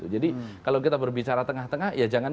jadi kalau kita berbicara tengah tengah ya jangan